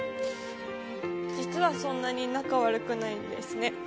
実はそんなに仲悪くないんですね。